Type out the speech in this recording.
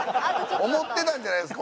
思ってたんじゃないですか。